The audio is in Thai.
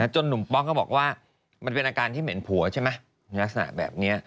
หนุ่มป๊อกก็บอกว่ามันเป็นอาการที่เหม็นผัวใช่ไหมลักษณะแบบนี้